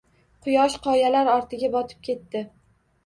Quyosh qoyalar ortiga botib ketdi.